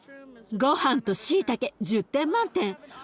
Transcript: ごはんとしいたけ１０点満点。